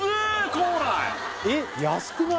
光来えっ安くない？